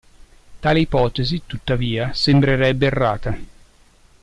Tale ipotesi, tuttavia, sembrerebbe errata.